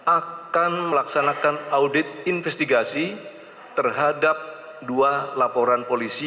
akan melaksanakan audit investigasi terhadap dua laporan polisi